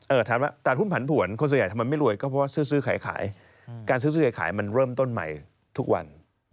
เออแต่หุ้นผันผวนคนสุดใหญ่ทำไมไม่รวยก็เพราะซื้อซื้อขายการซื้อซื้อขายมันเริ่มต้นใหม่ทุกวัน